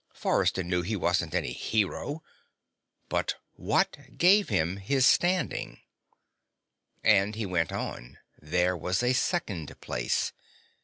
Forrester knew he wasn't any hero. But what gave him his standing? And, he went on, there was a second place.